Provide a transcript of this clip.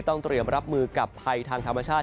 ต้องเตรียมรับมือกับภัยทางธรรมชาติ